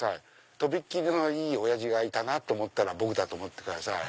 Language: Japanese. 飛びっ切りいいオヤジがいたなと思ったら僕だと思ってください。